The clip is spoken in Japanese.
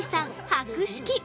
博識！